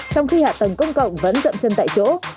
trong khi hạ tầng công cộng vẫn dậm chân tại chỗ